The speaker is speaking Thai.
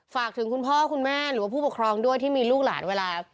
ฝากถึงคุณพ่อคุณแม่หรือว่าผู้ปกครองด้วยที่มีลูกหลานเวลา